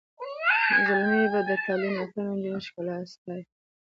زلمي به د تعلیم یافته نجونو ښکلا ستایي.